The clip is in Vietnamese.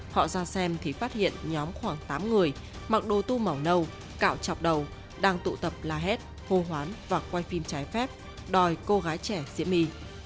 họ ra xem thì phát hiện nhóm khoảng tám người mặc đồ tu màu nâu cạo chọc đầu đang tụ tập la hét hô hoán và quay phim trái phép đòi cô gái trẻ diễm my